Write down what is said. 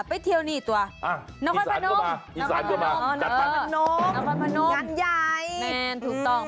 ไปเที่ยวนี่ตัวอ่าน้องฟันพนมเงินใหญ่แม่นถูกต้อง